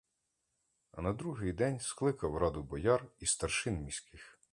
А на другий день скликав раду бояр і старшин міських.